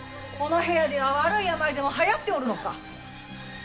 この部屋では悪い病でも流行っておるのか？